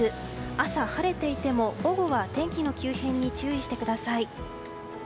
朝、晴れていても午後は天気の急変に注意してください。